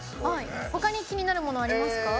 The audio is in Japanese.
他に気になるものありますか？